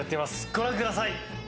ご覧ください。